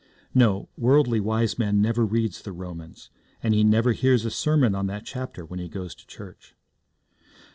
No; Worldly Wiseman never reads the Romans, and he never hears a sermon on that chapter when he goes to church.